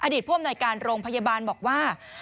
อดีตพ่อมนายการโรงพยาบาลบอกว่า